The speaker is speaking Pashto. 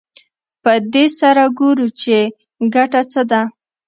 په دې سره ګورو چې ګټه څه ده